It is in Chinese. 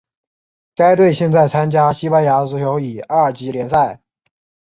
该队现在参加西班牙足球乙二级联赛。